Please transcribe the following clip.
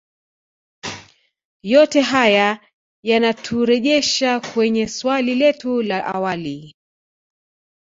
Yote haya yanaturejesha kwenye swali letu la awali